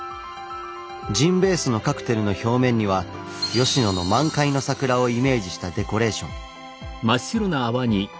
ジンベースのカクテルの表面には吉野の満開の桜をイメージしたデコレーション。